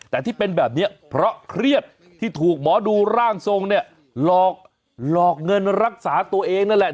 แต่ที่เป็นแบบนี้เพราะเครียดที่ถูกหมอดูร่างทรงเนี่ยหลอกหลอกเงินรักษาตัวเองนั่นแหละ